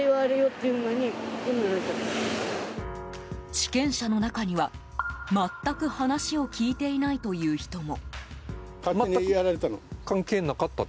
地権者の中には、全く話を聞いていないという人も。